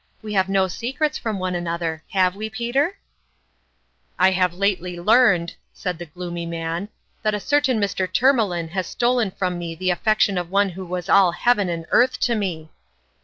We have no secrets from one an other have we, Peter ?"" I have lately learned," said the gloomy man, " that a certain Mr. Tourmalin has stolen from me the affection of one who was all heaven and earth to me